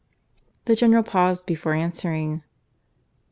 The General paused before answering.